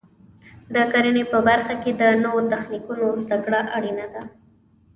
د کرنې په برخه کې د نوو تخنیکونو زده کړه اړینه ده.